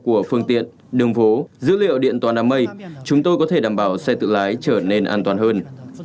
của phương tiện đường phố dữ liệu điện toàn đám mây chúng tôi có thể đảm bảo xe tự lái trở nên an toàn hơn